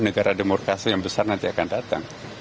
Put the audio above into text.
negara demokrasi yang besar nanti akan datang